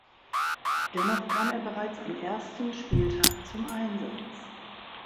Dennoch kam er bereits am ersten Spieltag zum Einsatz.